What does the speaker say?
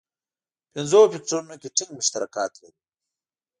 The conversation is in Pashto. پنځو فکټورونو کې ټینګ مشترکات لري.